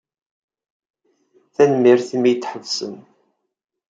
Tanemmirt imi ay d-tḥebsem.